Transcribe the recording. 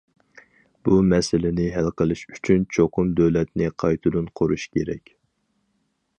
بۇ مەسىلىنى ھەل قىلىش ئۈچۈن چوقۇم دۆلەتنى قايتىدىن قۇرۇش كېرەك.